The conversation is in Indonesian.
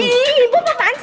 ih ibu pertahanan sih